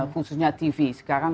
khususnya tv sekarang